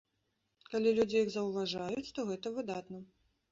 Калі людзі іх заўважаюць, то гэта выдатна.